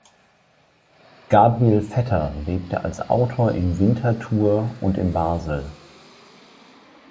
Gabriel Vetter lebte als Autor in Winterthur und in Basel.